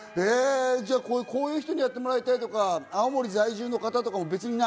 こういう人にやってもらいたいとか、青森在住の方とかも別にない。